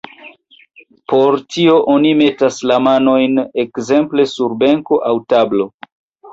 Por tio oni metas la manojn ekzemple sur benko aŭ tablo.